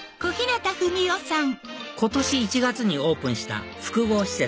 今年１月にオープンした複合施設